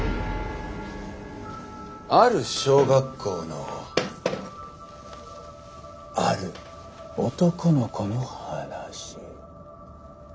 ある小学校のある男の子の話。